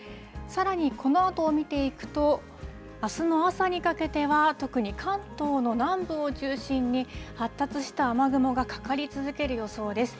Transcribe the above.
さらにこのあとを見ていくと、あすの朝にかけては、特に関東の南部を中心に、発達した雨雲がかかり続ける予想です。